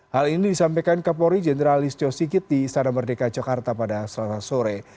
hal ini disampaikan kapolri jenderal listio sikit di istana merdeka jakarta pada selasa sore